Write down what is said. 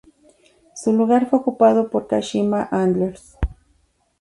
Su lugar fue ocupado por Kashima Antlers.